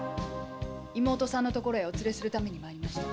妹さんの所へお連れするために参りました。